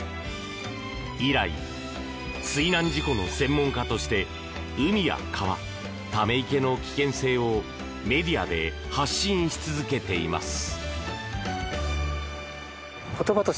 以来、水難事故の専門家として海や川、ため池の危険性をメディアで発信し続けています。